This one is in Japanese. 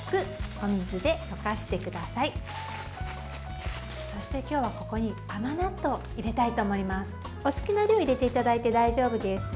お好きな量入れていただいて大丈夫です。